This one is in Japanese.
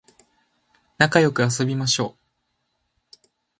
なかよく遊びましょう